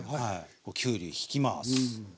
きゅうりひきます。